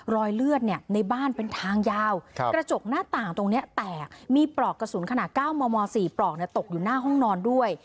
รอยเลือดในบ้านเป็นทางยาวกระจกหน้าต่างตรงนี้แตกมีปลอกกระสุนขนาด๙มม๔ปลอกตกอยู่หน้าห้องนอนด้วย